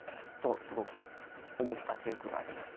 すごく思った記憶があります。